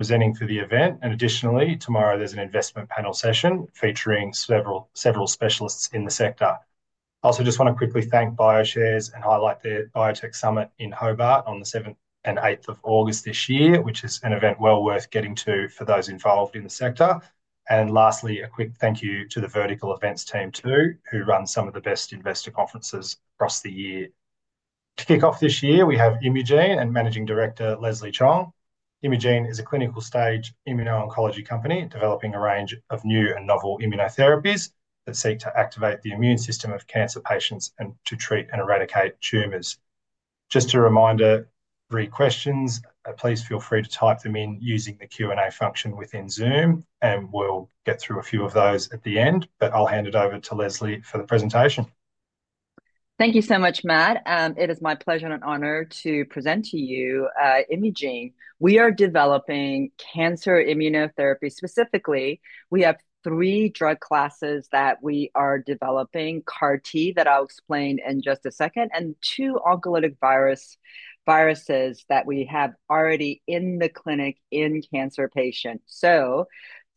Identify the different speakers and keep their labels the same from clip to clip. Speaker 1: Presenting for the event, and additionally, tomorrow there's an investment panel session featuring several specialists in the sector. I also just want to quickly thank Bioshares and highlight the Biotech Summit in Hobart on the 7th and 8th of August this year, which is an event well worth getting to for those involved in the sector. Lastly, a quick thank you to the Vertical Events team too, who run some of the best investor conferences across the year. To kick off this year, we have Imugene and Managing Director Leslie Chong. Imugene is a clinical stage immuno-oncology company developing a range of new and novel immunotherapies that seek to activate the immune system of cancer patients and to treat and eradicate tumors. Just a reminder, three questions, please feel free to type them in using the Q&A function within Zoom, and we'll get through a few of those at the end, but I'll hand it over to Leslie for the presentation.
Speaker 2: Thank you so much, Matt. It is my pleasure and honor to present to you Imugene. We are developing cancer immunotherapy specifically. We have three drug classes that we are developing, CAR T that I'll explain in just a second, and two oncolytic viruses that we have already in the clinic in cancer patients.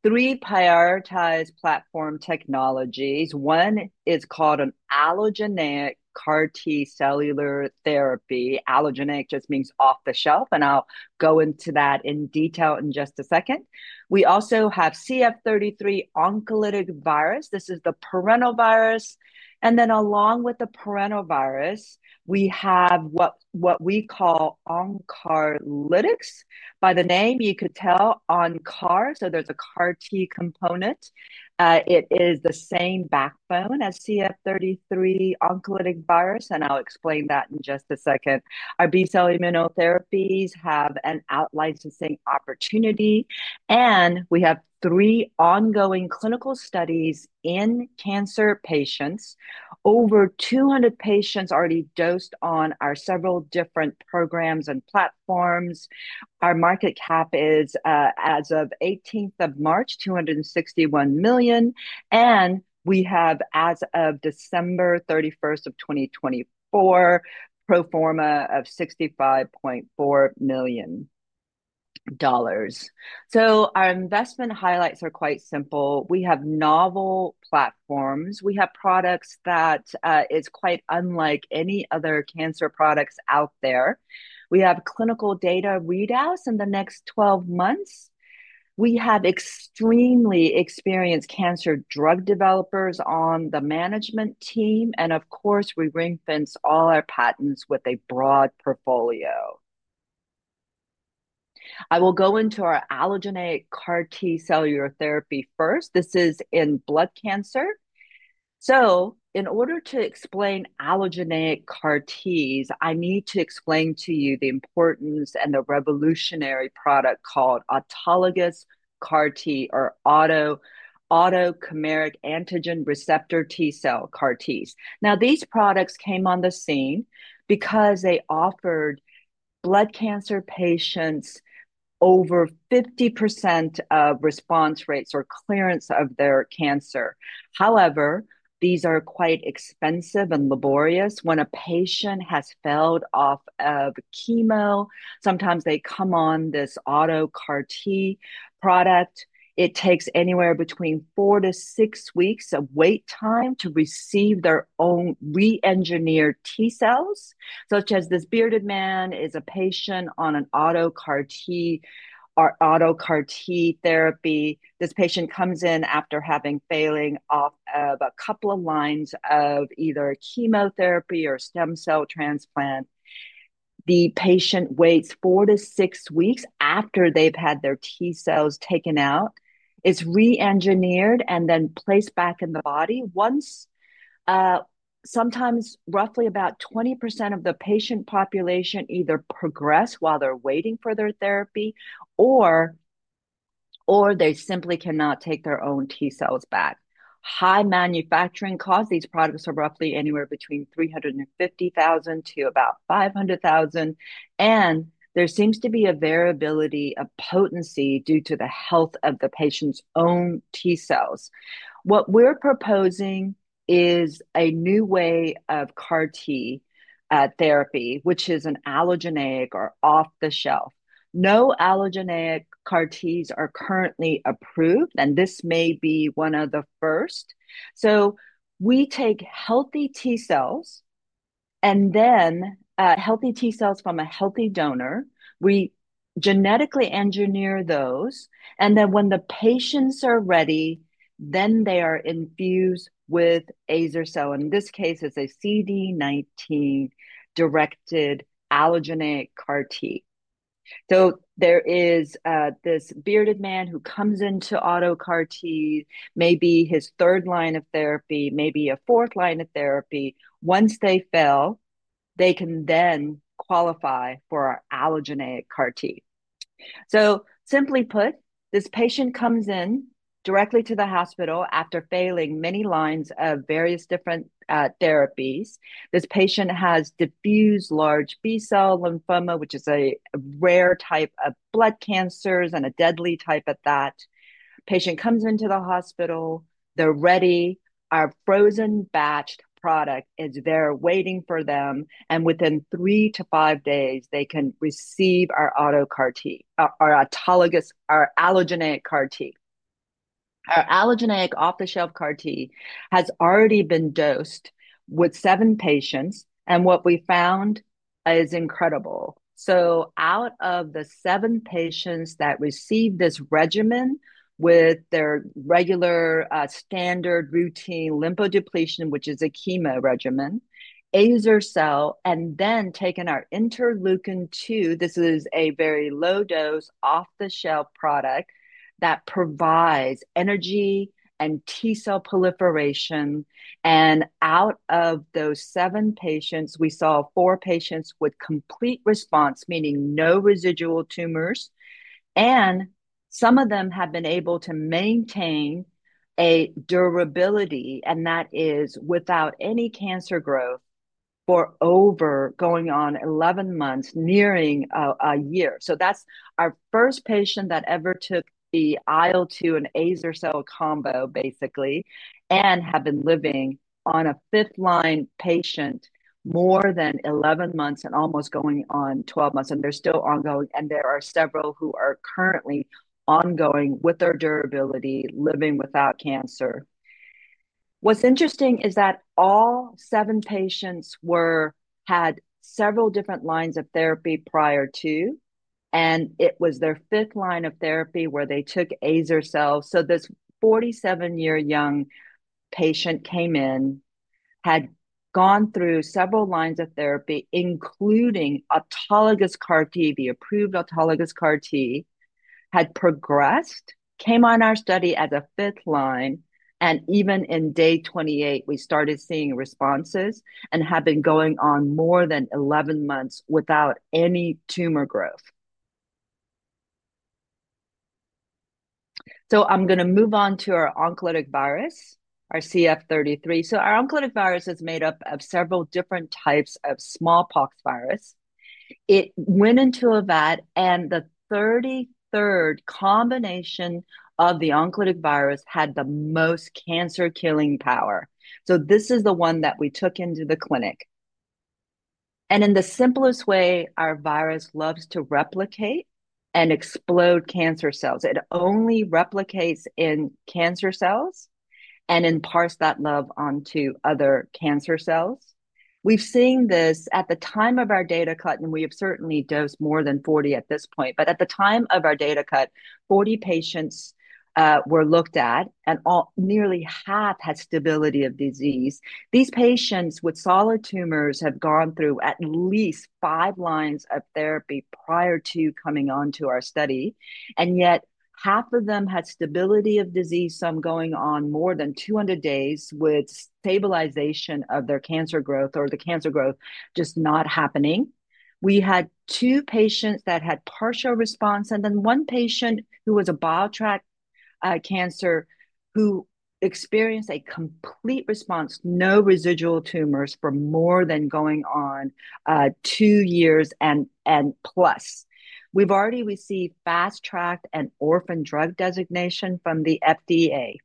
Speaker 2: Three prioritized platform technologies. One is called an allogeneic CAR T cellular therapy. Allogeneic just means off the shelf, and I'll go into that in detail in just a second. We also have CF33 oncolytic virus. This is the parental virus. Along with the parental virus, we have what we call onCARlytics. By the name, you could tell on CAR, so there's a CAR T component. It is the same backbone as CF33 oncolytic virus, and I'll explain that in just a second. Our B-cell immunotherapies have an outlying opportunity, and we have three ongoing clinical studies in cancer patients. Over 200 patients already dosed on our several different programs and platforms. Our market cap is, as of 18th of March, 261 million, and we have, as of December 31st of 2024, a pro forma of 65.4 million dollars. Our investment highlights are quite simple. We have novel platforms. We have products that are quite unlike any other cancer products out there. We have clinical data readouts in the next 12 months. We have extremely experienced cancer drug developers on the management team, and of course, we ring-fence all our patents with a broad portfolio. I will go into our allogeneic CAR T cellular therapy first. This is in blood cancer. In order to explain allogeneic CAR Ts, I need to explain to you the importance and the revolutionary product called autologous CAR T, or auto-chimeric antigen receptor T-cell CAR Ts. Now, these products came on the scene because they offered blood cancer patients over 50% of response rates or clearance of their cancer. However, these are quite expensive and laborious. When a patient has failed off of chemo, sometimes they come on this auto-CAR T product. It takes anywhere between four to six weeks of wait time to receive their own re-engineered T-cells. Such as this bearded man is a patient on an auto-CAR T or auto-CAR T therapy. This patient comes in after having failing off of a couple of lines of either chemotherapy or stem cell transplant. The patient waits four to six weeks after they've had their T-cells taken out. It's re-engineered and then placed back in the body. Sometimes roughly about 20% of the patient population either progress while they're waiting for their therapy or they simply cannot take their own T-cells back. High manufacturing costs. These products are roughly anywhere between 350,000-500,000, and there seems to be a variability of potency due to the health of the patient's own T-cells. What we're proposing is a new way of CAR T therapy, which is an allogeneic or off the shelf. No allogeneic CAR Ts are currently approved, and this may be one of the first. We take healthy T-cells and then healthy T-cells from a healthy donor. We genetically engineer those, and then when the patients are ready, they are infused with Azer-cel. In this case, it's a CD19-directed allogeneic CAR T. There is this bearded man who comes into auto-CAR T, maybe his third line of therapy, maybe a fourth line of therapy. Once they fail, they can then qualify for our allogeneic CAR T. Simply put, this patient comes in directly to the hospital after failing many lines of various different therapies. This patient has diffuse large B-cell lymphoma, which is a rare type of blood cancer and a deadly type of that. The patient comes into the hospital, they're ready. Our frozen batched product is there waiting for them, and within three to five days, they can receive our auto-CAR T, our autologous, our allogeneic CAR T. Our allogeneic off-the-shelf CAR T has already been dosed with seven patients, and what we found is incredible. Out of the seven patients that receive this regimen with their regular standard routine lymphodepletion, which is a chemo regimen, Azer-cel, and then taken our interleukin-2, this is a very low-dose off-the-shelf product that provides energy and T-cell proliferation. Out of those seven patients, we saw four patients with complete response, meaning no residual tumors, and some of them have been able to maintain a durability, and that is without any cancer growth for over going on 11 months, nearing a year. That is our first patient that ever took the IL-2 and Azer-cel combo, basically, and have been living on a fifth-line patient more than 11 months and almost going on 12 months, and they're still ongoing, and there are several who are currently ongoing with their durability, living without cancer. What's interesting is that all seven patients had several different lines of therapy prior to, and it was their fifth line of therapy where they took Azer-cel. This 47-year-old young patient came in, had gone through several lines of therapy, including autologous CAR T, the approved autologous CAR T, had progressed, came on our study as a fifth line, and even in day 28, we started seeing responses and have been going on more than 11 months without any tumor growth. I'm going to move on to our oncolytic virus, our CF33. Our oncolytic virus is made up of several different types of smallpox virus. It went into a vat, and the 33rd combination of the oncolytic virus had the most cancer-killing power. This is the one that we took into the clinic. In the simplest way, our virus loves to replicate and explode cancer cells. It only replicates in cancer cells and imparts that love onto other cancer cells. We've seen this at the time of our data cut, and we have certainly dosed more than 40 at this point, but at the time of our data cut, 40 patients were looked at, and nearly half had stability of disease. These patients with solid tumors have gone through at least five lines of therapy prior to coming on to our study, and yet half of them had stability of disease, some going on more than 200 days with stabilization of their cancer growth or the cancer growth just not happening. We had two patients that had partial response, and then one patient who has a bile tract cancer who experienced a complete response, no residual tumors for more than going on two years and plus. We've already received fast track and orphan drug designation from the FDA.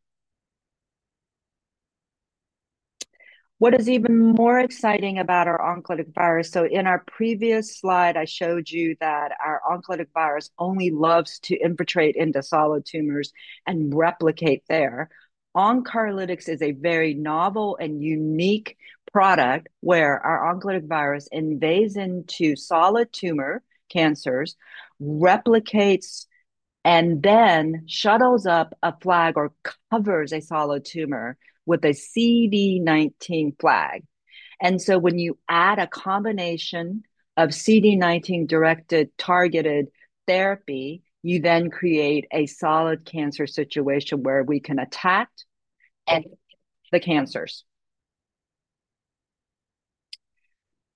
Speaker 2: What is even more exciting about our oncolytic virus? In our previous slide, I showed you that our oncolytic virus only loves to infiltrate into solid tumors and replicate there. OnCARlytics is a very novel and unique product where our oncolytic virus invades into solid tumor cancers, replicates, and then shuttles up a flag or covers a solid tumor with a CD19 flag. When you add a combination of CD19-directed targeted therapy, you then create a solid cancer situation where we can attack and kill the cancers.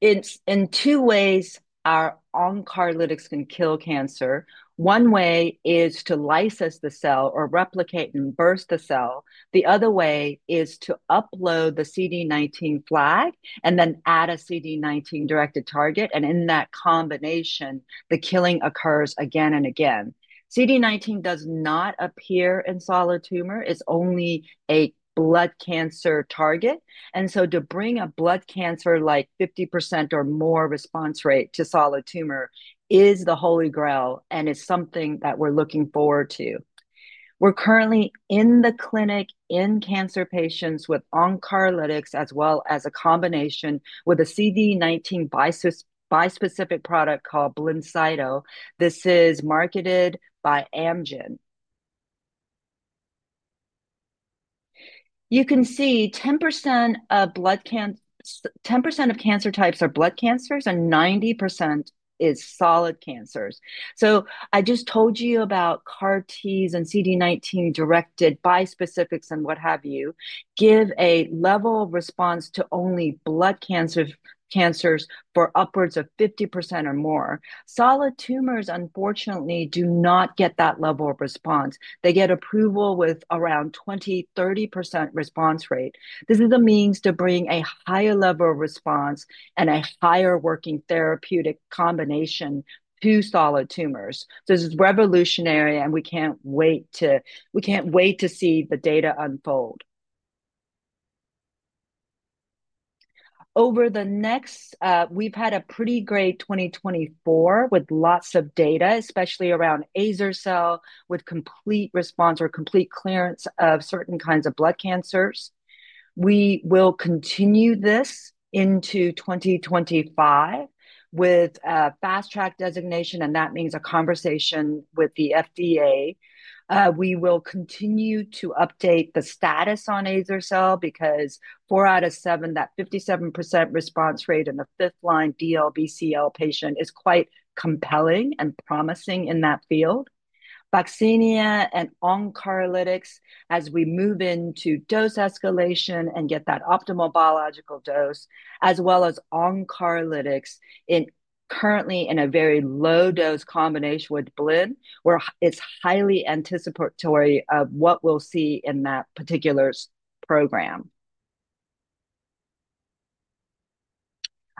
Speaker 2: In two ways, our onCARlytics can kill cancer. One way is to lysis the cell or replicate and burst the cell. The other way is to upload the CD19 flag and then add a CD19-directed target, and in that combination, the killing occurs again and again. CD19 does not appear in solid tumor. It's only a blood cancer target. To bring a blood cancer like 50% or more response rate to solid tumor is the holy grail, and it's something that we're looking forward to. We're currently in the clinic in cancer patients with onCARlytics as well as a combination with a CD19 bispecific product called BLINCYTO. This is marketed by Amgen. You can see 10% of cancer types are blood cancers and 90% is solid cancers. I just told you about CAR Ts and CD19-directed bispecifics and what have you give a level of response to only blood cancers for upwards of 50% or more. Solid tumors, unfortunately, do not get that level of response. They get approval with around 20%-30% response rate. This is a means to bring a higher level of response and a higher working therapeutic combination to solid tumors. This is revolutionary, and we can't wait to see the data unfold. Over the next, we've had a pretty great 2024 with lots of data, especially around Azer-cel, with complete response or complete clearance of certain kinds of blood cancers. We will continue this into 2025 with a fast track designation, and that means a conversation with the FDA. We will continue to update the status on Azer-cel because four out of seven, that 57% response rate in the fifth-line DLBCL patient is quite compelling and promising in that field. VAXINIA and onCARlytics, as we move into dose escalation and get that optimal biological dose, as well as onCARlytics, currently in a very low-dose combination with BLINCYTO, where it's highly anticipatory of what we'll see in that particular program.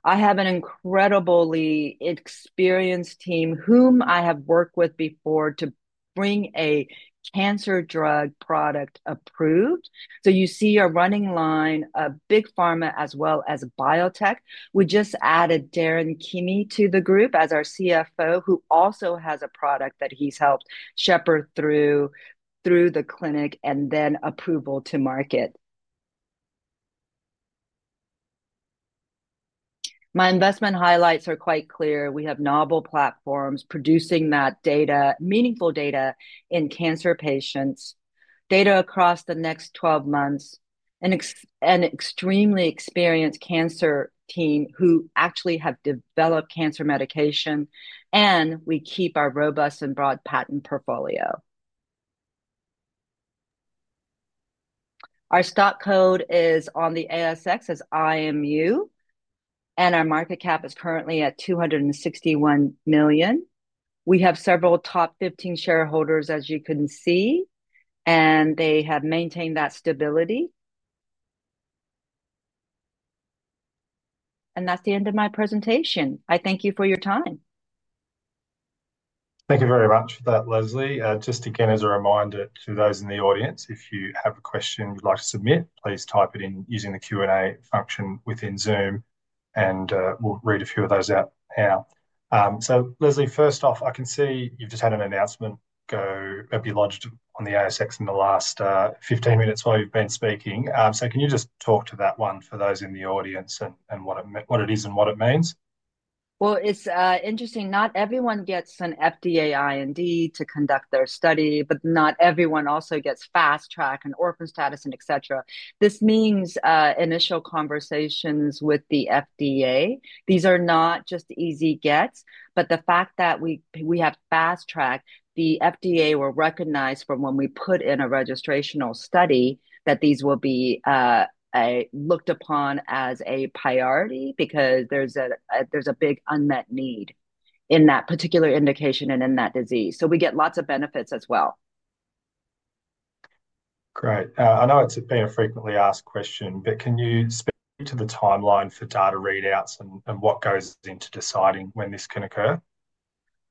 Speaker 2: I have an incredibly experienced team whom I have worked with before to bring a cancer drug product approved. You see our running line of big pharma as well as biotech. We just added Darren Keamy to the group as our CFO, who also has a product that he's helped shepherd through the clinic and then approval to market. My investment highlights are quite clear. We have novel platforms producing that data, meaningful data in cancer patients, data across the next 12 months, an extremely experienced cancer team who actually have developed cancer medication, and we keep our robust and broad patent portfolio. Our stock code is on the ASX as IMU, and our market cap is currently at 261 million. We have several top 15 shareholders, as you can see, and they have maintained that stability. That's the end of my presentation. I thank you for your time.
Speaker 1: Thank you very much for that, Leslie. Just again, as a reminder to those in the audience, if you have a question you'd like to submit, please type it in using the Q&A function within Zoom, and we'll read a few of those out now. Leslie, first off, I can see you've just had an announcement go be lodged on the ASX in the last 15 minutes while you've been speaking. Can you just talk to that one for those in the audience and what it is and what it means?
Speaker 2: It's interesting. Not everyone gets an FDA IND to conduct their study, but not everyone also gets Fast Track and Orphan Status and et cetera. This means initial conversations with the FDA. These are not just easy gets, but the fact that we have fast tracked, the FDA will recognize from when we put in a registrational study that these will be looked upon as a priority because there's a big unmet need in that particular indication and in that disease. We get lots of benefits as well.
Speaker 1: Great. I know it's a frequently asked question, but can you speak to the timeline for data readouts and what goes into deciding when this can occur?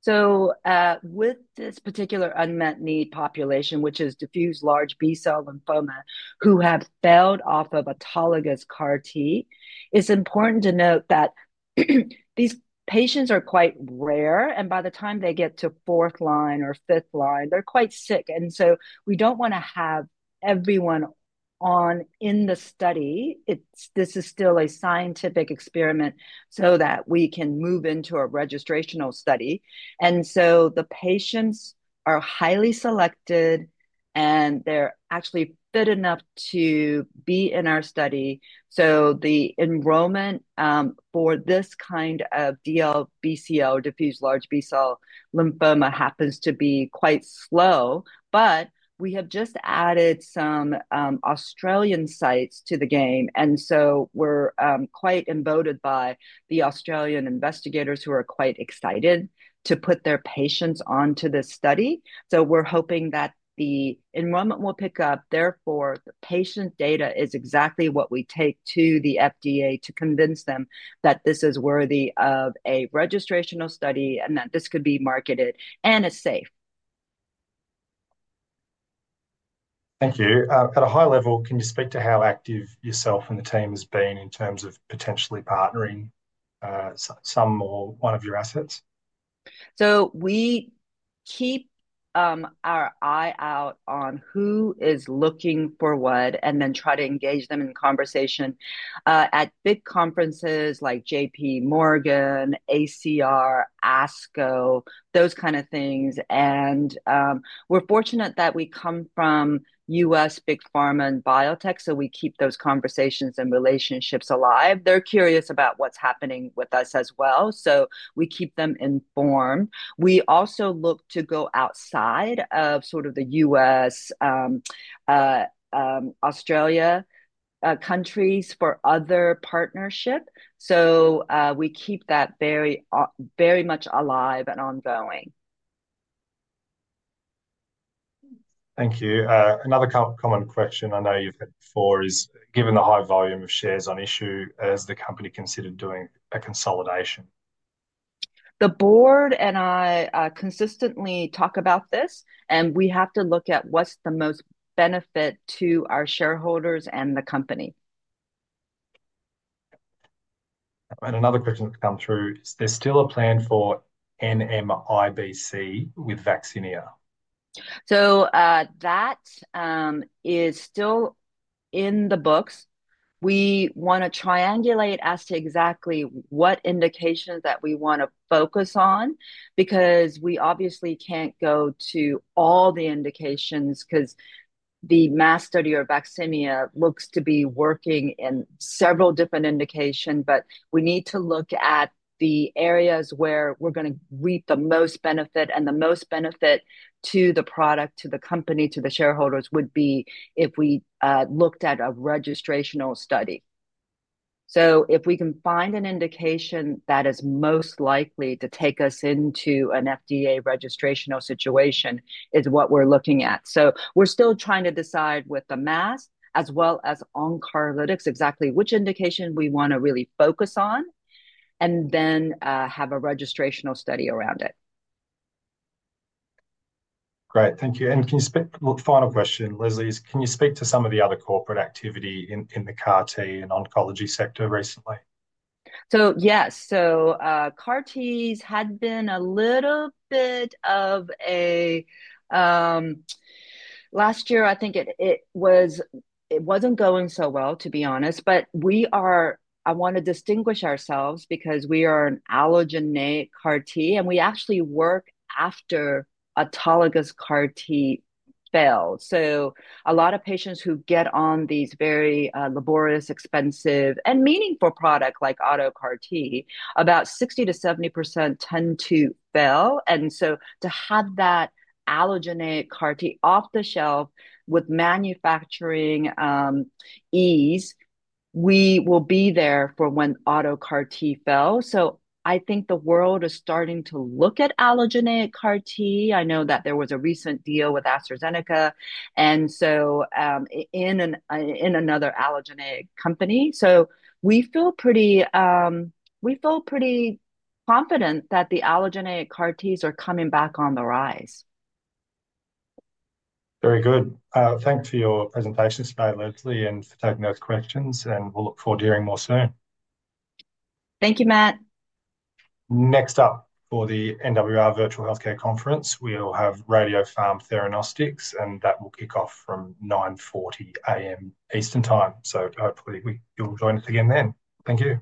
Speaker 2: With this particular unmet need population, which is diffuse large B-cell lymphoma who have failed off of autologous CAR T, it's important to note that these patients are quite rare, and by the time they get to fourth line or fifth line, they're quite sick. We don't want to have everyone on in the study. This is still a scientific experiment so that we can move into a registrational study. The patients are highly selected, and they're actually fit enough to be in our study. The enrollment for this kind of DLBCL, diffuse large B-cell lymphoma, happens to be quite slow. We have just added some Australian sites to the game. We're quite emboldened by the Australian investigators who are quite excited to put their patients onto this study. We're hoping that the enrollment will pick up. Therefore, the patient data is exactly what we take to the FDA to convince them that this is worthy of a registrational study and that this could be marketed and is safe.
Speaker 1: Thank you. At a high level, can you speak to how active yourself and the team have been in terms of potentially partnering some or one of your assets?
Speaker 2: We keep our eye out on who is looking for what and then try to engage them in conversation at big conferences like JPMorgan, AACR, ASCO, those kinds of things. We are fortunate that we come from U.S. big pharma and biotech, so we keep those conversations and relationships alive. They are curious about what is happening with us as well. We keep them informed. We also look to go outside of sort of the U.S., Australia countries for other partnerships. We keep that very much alive and ongoing.
Speaker 1: Thank you. Another common question I know you have had before is, given the high volume of shares on issue, is the company considering doing a consolidation?
Speaker 2: The board and I consistently talk about this, and we have to look at what is the most benefit to our shareholders and the company.
Speaker 1: Another question that's come through is, there's still a plan for NMIBC with VAXINIA?
Speaker 2: That is still in the books. We want to triangulate as to exactly what indications that we want to focus on because we obviously can't go to all the indications because the MAST study or VAXINIA looks to be working in several different indications, but we need to look at the areas where we're going to reap the most benefit, and the most benefit to the product, to the company, to the shareholders would be if we looked at a registrational study. If we can find an indication that is most likely to take us into an FDA registrational situation is what we're looking at. We're still trying to decide with the MAST as well as onCARlytics exactly which indication we want to really focus on and then have a registrational study around it.
Speaker 1: Great. Thank you. Can you speak—final question, Leslie—is can you speak to some of the other corporate activity in the CAR T and oncology sector recently?
Speaker 2: Yes. CAR Ts had been a little bit of a—last year, I think it was not going so well, to be honest, but we are—I want to distinguish ourselves because we are an allogeneic CAR T, and we actually work after autologous CAR T fails. A lot of patients who get on these very laborious, expensive, and meaningful products like auto CAR T, about 60%-70% tend to fail. To have that allogeneic CAR T off the shelf with manufacturing ease, we will be there for when auto CAR T fails. I think the world is starting to look at allogeneic CAR T. I know that there was a recent deal with AstraZeneca and in another allogeneic company. We feel pretty confident that the allogeneic CAR Ts are coming back on the rise.
Speaker 1: Very good. Thanks for your presentation today, Leslie, and for taking those questions. We'll look forward to hearing more soon.
Speaker 2: Thank you, Matt.
Speaker 1: Next up for the NWR Virtual Healthcare Conference, we'll have Radiopharm Theranostics, and that will kick off from 9:40 A.M. Eastern Time. Hopefully, you'll join us again then. Thank you.